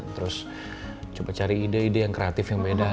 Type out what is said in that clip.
terus coba cari ide ide yang kreatif yang beda